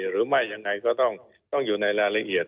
หรือไม่ยังไงก็ต้องอยู่ในรายละเอียด